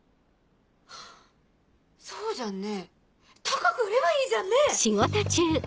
そうじゃんねぇ高く売ればいいじゃんねぇ！